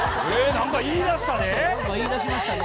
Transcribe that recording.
何か言い出しましたね